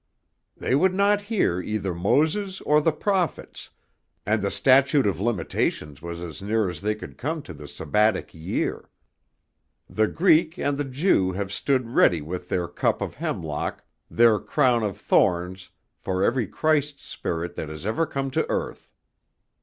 They would not hear either Moses or the prophets, and the statute of limitations was as near as they could come to the Sabbatic year. The Greek and the Jew have stood ready with their cup of hemlock, their crown of thorns for every Christ spirit that has ever come to earth.